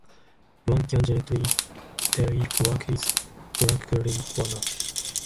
One can generally tell if work is drudgery or not.